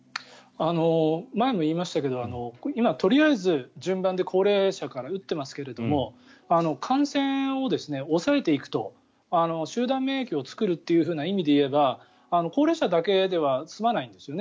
前も言いましたが今、とりあえず順番で高齢者から打っていますが感染を抑えていくと集団免疫を作るという意味でいえば高齢者だけでは済まないんですよね